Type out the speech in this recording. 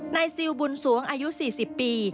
ในซีลบุญสูงอายุ๔๐ปี